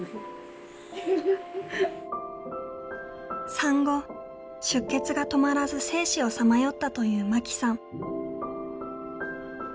産後出血が止まらず生死をさまよったという真紀さん。